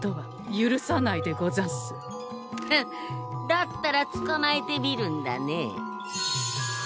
だったらつかまえてみるんだね。